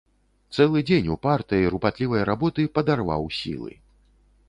Цэлы дзень упартай, рупатлівай работы падарваў сілы.